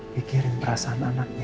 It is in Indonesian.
pikir perasaan anaknya